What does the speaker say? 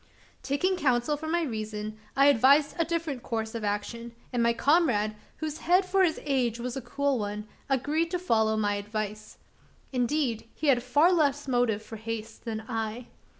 Taking counsel from my reason, I advised a different course of action; and my comrade whose head for his age was a cool one agreed to follow my advice. Indeed, he had far less motive for haste than I.